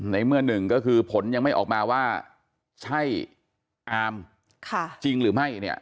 ในเมื่อหนึ่งก็คือผลยังไม่ออกมาว่าใช่อามจริงหรือไม่เนี่ย